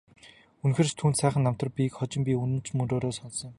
Үнэхээр ч түүнд сайхан намтар бийг хожим би үнэн мөнөөр нь сонссон юм.